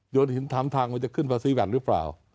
โยนหินทำทางมันจะขึ้นประสิทธิ์แบบหรือเปล่า